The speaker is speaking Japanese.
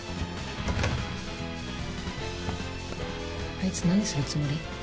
あいつ何するつもり？